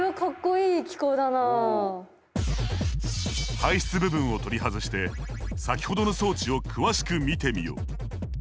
排出部分を取り外して先ほどの装置を詳しく見てみよう。